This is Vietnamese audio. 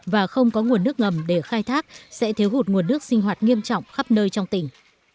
và không có nguồn nước ngầm để khai thác sẽ thiếu hụt nguồn nước sinh hoạt nghiêm trọng khắp nơi trong tỉnh